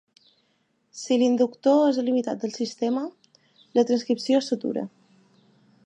Si l'inductor és eliminat del sistema, la transcripció s'atura.